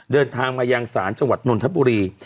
เดินทางมายังศาลจังหวัดนนทบุรี